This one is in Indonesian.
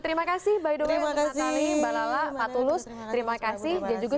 terima kasih mbak idulweng mbak natali mbak lala pak tulus terima kasih dan juga